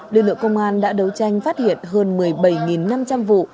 lực lượng công an đã đấu tranh phát hiện hơn một mươi bảy năm trăm linh vụ